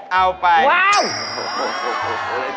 เอาไปว้าว